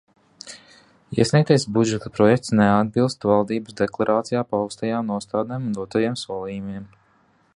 Iesniegtais budžeta projekts neatbilst Valdības deklarācijā paustajām nostādnēm un dotajiem solījumiem.